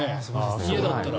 家だったら。